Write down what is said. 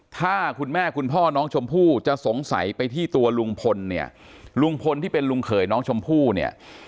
ถ้าคุณแม่คุณพ่อน้องชมพู่จะสงสัยไปที่ตัวลุงพลเนี่ยลุงพลที่เป็นลุงเขยน้องชมพู่เนี่ย